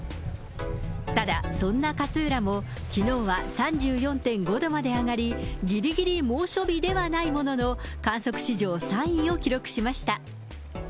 ただそんな勝浦も、きのうは３４．５度まで上がり、ぎりぎり猛暑日ではないものの、観測史上３位を記録しました。